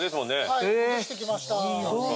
はいほぐしてきました。